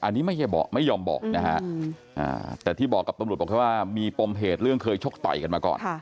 อันนี้ไม่ใช่ไม่ยอมบอกนะฮะแต่ที่บอกกับตำรวจบอกแค่ว่ามีปมเหตุเรื่องเคยชกต่อยกันมาก่อน